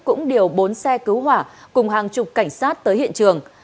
cũng điều bốn xe cứu hỏa cùng hàng chục cảnh sát tới hiện trường